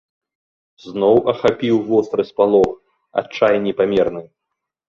Зноў ахапіў востры спалох, адчай непамерны.